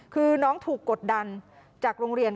คือน้องถูกกดดันจากโรงเรียน